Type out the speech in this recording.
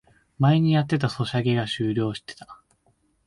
前にやってたソシャゲが終了してた